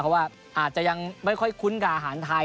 เพราะว่าอาจจะยังไม่ค่อยคุ้นกับอาหารไทย